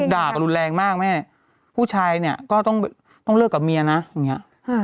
ด่าก็รุนแรงมากแม่ผู้ชายเนี่ยก็ต้องเลิกกับเมียนะอย่างเงี้ย